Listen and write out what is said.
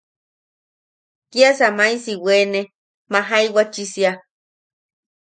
Kiasa maisi wene majaiwachisia.